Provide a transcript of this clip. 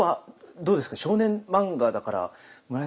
そうですか？